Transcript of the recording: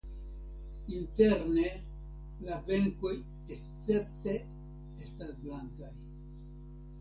Interne la benkoj escepte estas blankaj.